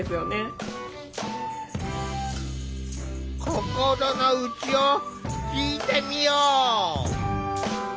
心の内を聞いてみよう。